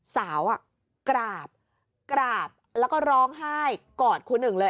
สาวกราบกราบแล้วก็ร้องไห้กอดครูหนึ่งเลย